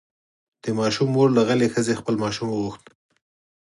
د ماشوم مور له غلې ښځې خپل ماشوم وغوښت.